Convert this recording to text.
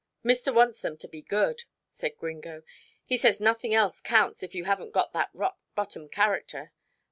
"Mister wants them to be good," said Gringo. "He says nothing else counts, if you haven't got that rock bottom character.